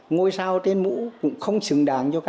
ngôi sao tên mũ cũng không xứng đáng cho các anh ấy